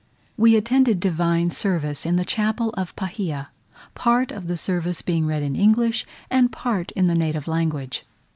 We attended divine service in the chapel of Pahia; part of the service being read in English, and part in the native language.